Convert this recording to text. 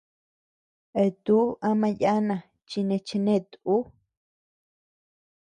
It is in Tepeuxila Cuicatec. Eatú ama yana chi nee chenet ú.